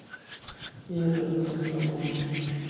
ايو توجو مسئلو ڪوني